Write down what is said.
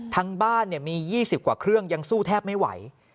ทั้งบ้านมี๒๐กว่าเครื่องยังสู้แทบไม่ไหว